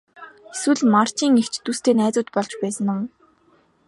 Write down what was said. Эсвэл Марчийн эгч дүүстэй найзууд болж байсан уу?